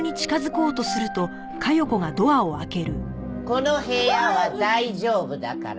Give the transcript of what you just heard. この部屋は大丈夫だから。